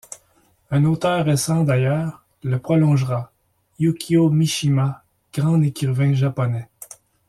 Un auteur récent, d'ailleurs, le prolongera, Yukio Mishima, grand écrivain japonais.